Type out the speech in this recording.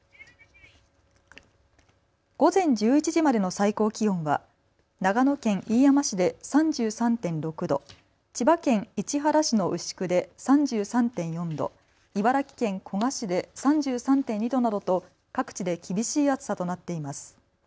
午前１１時までの最高気温は長野県飯山市で３３．６度、千葉県市原市の牛久で３３．４度、茨城県古河市で３３．２度などと各地で厳しい暑さとなっています。